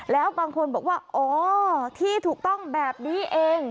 แล้วบางคนบอกว่าอ๋อที่ถูกต้องแบบนี้เอง